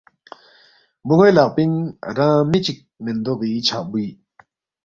بونوئے لقپینگ رنگ مچک مندوغی چھقبوئی،